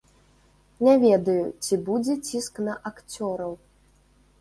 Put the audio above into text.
Не ведаю, ці будзе ціск на акцёраў.